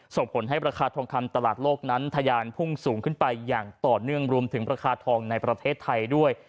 ส่งผลให้ราคาทองคำตลาดโลกนั้นทะยานพุ่งสูงขึ้นไปอย่างต่อเนื่องรวมถึงราคาทองในประเทศไทยด้วย